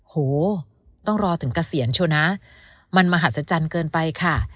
โหต้องรอถึงเกษียณเชียวนะมันมหัศจรรย์เกินไปค่ะ